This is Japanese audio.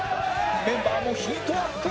メンバーもヒートアップ！